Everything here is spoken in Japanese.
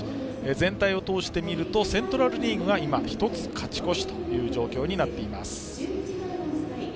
全体を通して見るとセントラル・リーグが今、１つ勝ち越しという状況になっています。